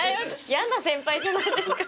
やな先輩じゃないですか。